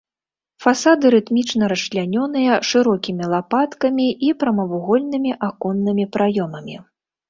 Фасады рытмічна расчлянёныя шырокімі лапаткамі і прамавугольнымі аконнымі праёмамі.